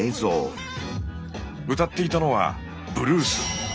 歌っていたのは「ブルース」。